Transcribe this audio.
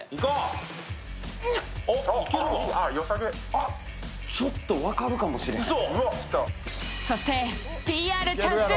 あ、ちょっと分かるかもしれない。